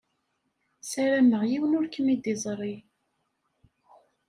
Sarameɣ yiwen ur kem-id-iẓṛi.